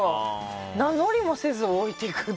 名乗りもせず、置いていくって。